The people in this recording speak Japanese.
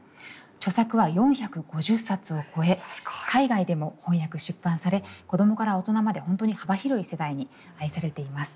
著作は４５０冊を超え海外でも翻訳出版され子供から大人まで本当に幅広い世代に愛されています。